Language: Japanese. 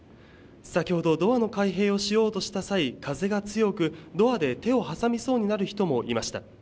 先ほど、ドアの開閉を使用とした際、風が強く、ドアで手を挟みそうになる人もいました。